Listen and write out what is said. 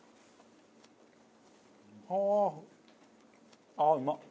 あああっうまっ！